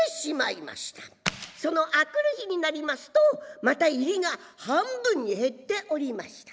その明くる日になりますとまた入りが半分に減っておりました。